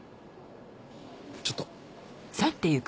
ちょっと。